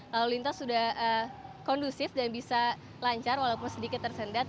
lalu lintas sudah kondusif dan bisa lancar walaupun sedikit tersendat